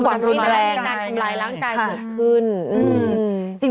มันมีการทำลายร่างกายขึ้น